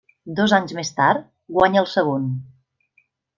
Dos anys més tard, guanya el segon.